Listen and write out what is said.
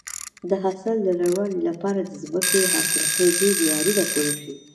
د حاصل د لوړوالي لپاره باید د ځمکې حاصلخیزي معیارونه پوره شي.